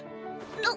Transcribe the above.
なっ。